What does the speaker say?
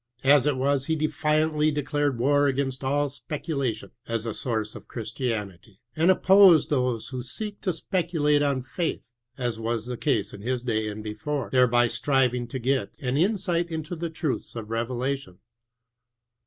As it was he defiantly de clared war against aU speculation as a source of Christianity, and opposed those who seek to speculate on faith— as was the case in his day and before— thereby striving to get an in sight into the truths of revelation.